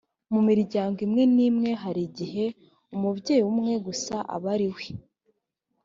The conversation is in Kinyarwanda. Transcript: mu miryango imwe n imwe hari igihe umubyeyi umwe gusa aba ari we